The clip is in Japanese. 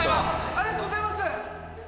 ありがとうございます！